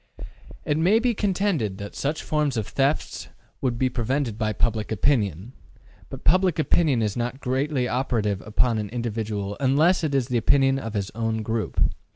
It may be contended that such forms of theft would be prevented by public opinion. But public opinion is not greatly operative upon an individual unless it is the opinion of his own group.